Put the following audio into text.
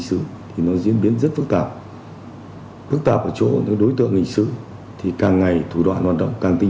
xin mời quý vị và các bạn cùng theo dõi